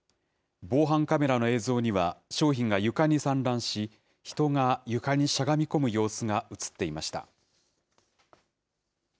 防犯カメラの映像には、商品が床に散乱し、人が床にしゃがみ込む様子が写っていました。